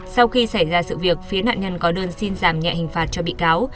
sau khi xảy ra sự việc phía nạn nhân có đơn xin giảm nhẹ hình phạt cho bị cáo